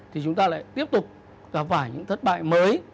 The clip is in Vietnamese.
thì chúng ta lại tiếp tục gặp phải những thất bại mới